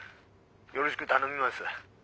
よろしぐ頼みます。